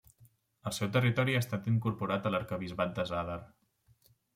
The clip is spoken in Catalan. El seu territori ha estat incorporat a l'arquebisbat de Zadar.